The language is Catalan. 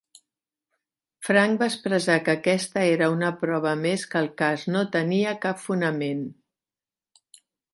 Frank va expressar que aquesta era una prova més que el cas no tenia cap fonament.